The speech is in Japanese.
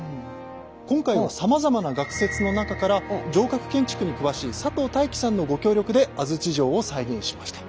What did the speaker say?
今回はさまざまな学説の中から城郭建築に詳しい佐藤大規さんのご協力で安土城を再現しました。